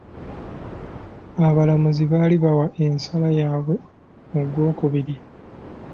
Abalamuzi baali bawa ensala yaabwe mu gw'okubiri.